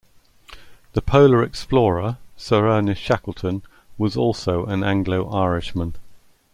The polar explorer Sir Ernest Shackleton was also an Anglo-Irishman.